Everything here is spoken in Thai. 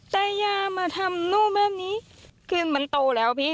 แต่ยามาทำนู่นแบบนี้คือมันโตแล้วพี่